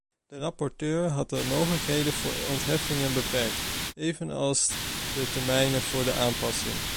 De rapporteur had de mogelijkheden voor ontheffing beperkt, evenals de termijnen voor de aanpassing.